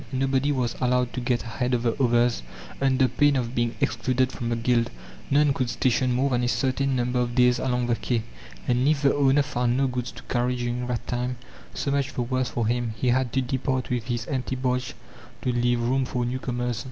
Nobody was allowed to get ahead of the others under pain of being excluded from the guild. None could station more than a certain number of days along the quay; and if the owner found no goods to carry during that time, so much the worse for him; he had to depart with his empty barge to leave room for newcomers.